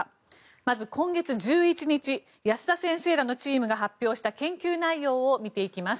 まず、今月１１日保田先生らのチームが発表した研究内容を見ていきます。